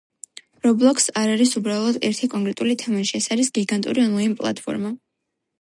Roblox არ არის უბრალოდ ერთი კონკრეტული თამაში — ეს არის გიგანტური ონლაინ პლატფორმა